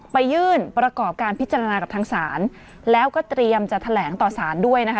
ไปยื่นประกอบการพิจารณากับทางศาลแล้วก็เตรียมจะแถลงต่อสารด้วยนะคะ